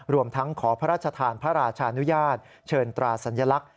รวมทั้งขอพระราชทานพระราชานุญาตเชิญตราสัญลักษณ